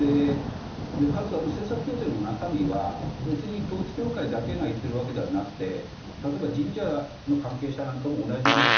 でかつ政策協定の中身は別に統一教会だけが言ってるわけではなくて例えば神社の関係者なんかも同じような主張をしている。